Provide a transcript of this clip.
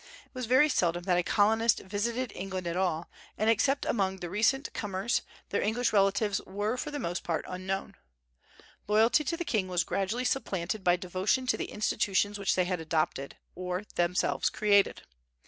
It was very seldom that a colonist visited England at all, and except among the recent comers their English relatives were for the most part unknown. Loyalty to the king was gradually supplanted by devotion to the institutions which they had adopted, or themselves created.